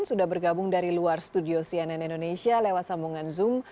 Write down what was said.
sudah bergabung dari luar studio cnn indonesia lewat sambungan zoom